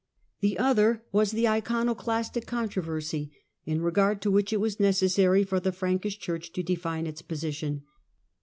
The other was the Iconoclastic controversy, in regard to which it was necessary for the Frankish Church to define its position.